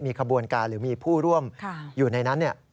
มีขบวนการหรือมีผู้ร่วมอยู่ในนั้น